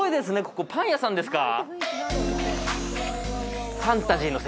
ここパン屋さんですか？